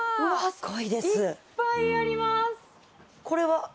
これは。